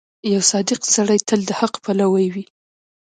• یو صادق سړی تل د حق پلوی وي.